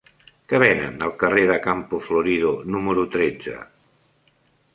Què venen al carrer de Campo Florido número tretze?